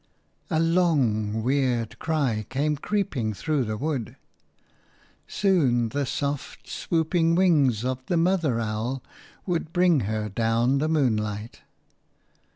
A long, weird cry came creeping through the wood. Soon the soft, swooping wings of the mother owl would bring her down the moonlight.